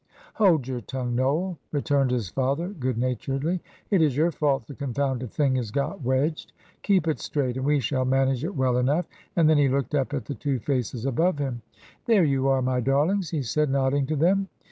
"Hold your tongue, Noel," returned his father, good naturedly. "It is your fault the confounded thing has got wedged. Keep it straight, and we shall manage it well enough;" and then he looked up at the two faces above him. "There you are, my darlings," he said, nodding to them.